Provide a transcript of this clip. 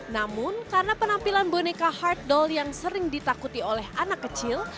namun karena penampilan boneka hard doll yang sering ditakuti oleh anak kecil